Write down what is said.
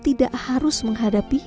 tidak harus menghadapi